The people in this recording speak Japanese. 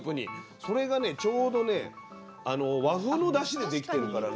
それがね、ちょうどね、あの和風のだしでできてるからね